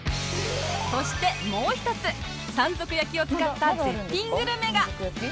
そしてもう一つ山賊焼を使った絶品グルメが